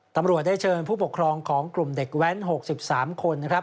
ตำรวจได้เชิญผู้ปกครองของกลุ่มเด็กแว้น๖๓คนนะครับ